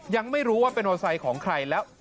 ยังไม่รู้ว่าเป็นมอเตอร์ไซค์ของใครแล้ว